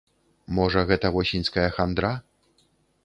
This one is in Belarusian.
Можа, гэта восеньская хандра?